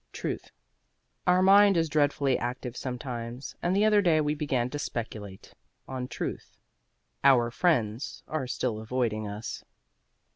TRUTH Our mind is dreadfully active sometimes, and the other day we began to speculate on Truth. Our friends are still avoiding us.